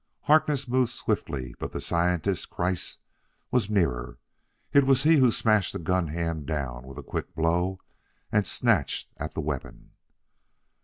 Harkness moved swiftly, but the scientist, Kreiss, was nearer; it was he who smashed the gun hand down with a quick blow and snatched at the weapon.